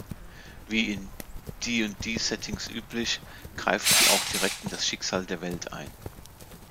Wie in D&D-Settings üblich, greifen sie auch direkt in das Schicksal der Welt ein.